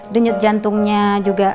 dunut jantungnya juga